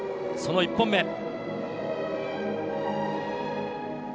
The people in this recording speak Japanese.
その１本目。